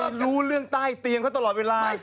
มันรู้เรื่องใต้เตียงเขาตลอดเวลา